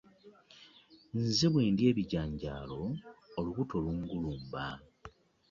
Nze bw'endya ebijanjaalo, olubuto lungulimba.